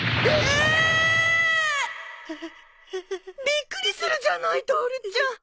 びっくりするじゃないトオルちゃん！